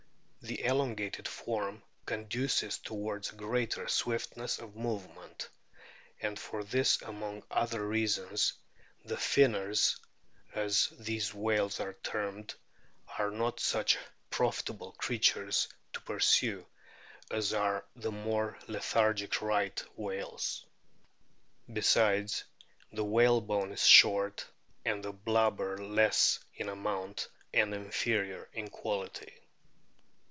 The elongated form conduces towards a greater swiftness of movement ; and for this among other reasons the " Finners," as these whales are termed, are not such profitable creatures to pursue as are the more lethargic Right whales. Besides, the whale bone is short and the blubber less in amount and inferior in quality.